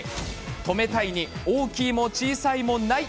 止めたいに大きいも小さいもない。